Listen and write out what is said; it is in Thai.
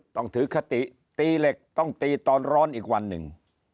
ต้องถือคติตีเหล็กต้องตีตอนร้อนอีกวันหนึ่ง